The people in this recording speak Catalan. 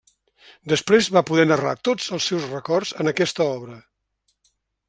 Després va poder narrar tots els seus records en aquesta obra.